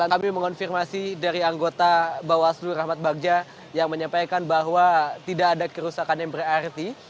kami mengonfirmasi dari anggota bawaslu rahmat bagja yang menyampaikan bahwa tidak ada kerusakan yang berarti